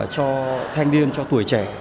cho thanh niên cho tuổi trẻ